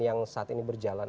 yang saat ini berjalan